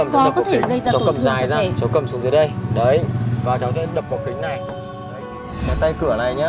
khó có thể gây ra tổn thương cho trẻ